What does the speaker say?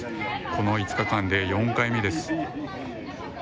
この５日間で４回目です。